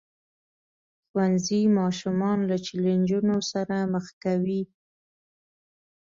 ښوونځی ماشومان له چیلنجونو سره مخ کوي.